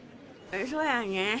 そうらね。